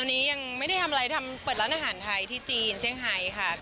ตอนนี้ยังไม่ได้ทำอะไรทำเปิดร้านอาหารไทยที่จีนเชียงไฮค่ะ